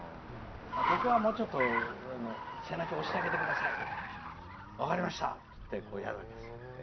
ここはもうちょっと背中を押してあげてくださいとか分かりましたってやるんです。